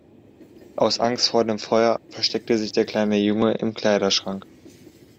Aus Angst vor dem Feuer versteckte sich der kleine Junge im Kleiderschrank.